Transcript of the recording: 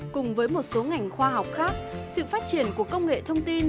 cùng với một số ngành khoa học khác sự phát triển của công nghệ thông tin